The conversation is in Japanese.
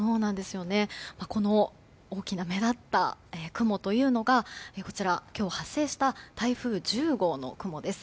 この大きな目立った雲というのが今日発生した台風１０号の雲です。